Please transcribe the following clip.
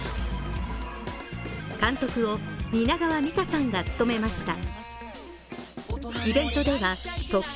監督を蜷川実花さんが務めました。